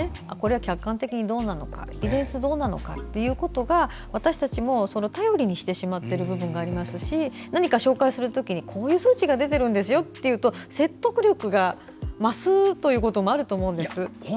客観的にどうなのかエビデンスがどうなのかということを私たちも頼りにしてしまうところがありますし何か紹介する時にこういう数値があるんですよと言うと説得力が増すということがあると思うんです。